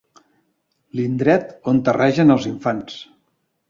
L'indret on terregen els infants.